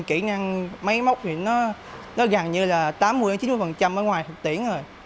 kỹ năng máy móc thì nó gần như là tám mươi chín mươi ở ngoài thực tiễn rồi